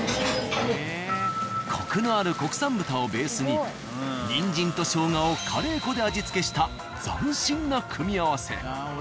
コクのある国産豚をベースに人参と生姜をカレー粉で味付けした斬新な組み合わせ。